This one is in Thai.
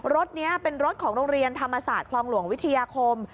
รถนี้เป็นรถของโรงเรียนธรรมศาสตร์คลองหลวงวิทยาคม